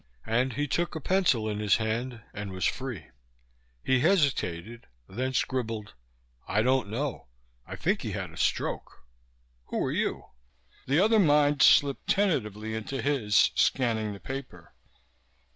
And he took a pencil in his hand and was free. He hesitated, then scribbled: I don't know. I think he had a stroke. Who are you? The other mind slipped tentatively into his, scanning the paper.